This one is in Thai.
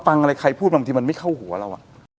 อะไรใครพูดบางทีมันไม่เข้าหัวเรา